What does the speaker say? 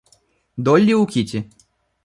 Долли у Кити.